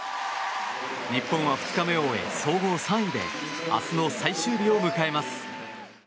日本は２日目を終え、総合３位で明日の最終日を迎えます。